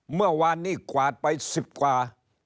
เมื่อวานนี้กวาดไป๑๐กว่า